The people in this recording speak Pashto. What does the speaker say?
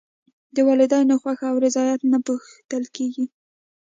د والدینو خوښه او رضایت نه پوښتل کېږي.